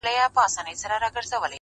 دا خو ډيره گرانه ده!!